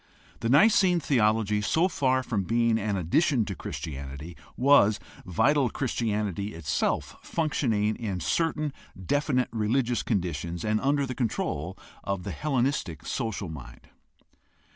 The Nicene theology, so far from being an addition to Christianity, was vital Christianity itself functioning in certain definite religious conditions and under the control of the Hellenistic social mind.